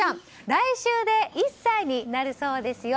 来週で１歳になるそうですよ。